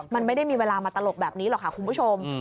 มันไม่ได้มีเวลามาตลกแบบนี้หรอกค่ะคุณผู้ชม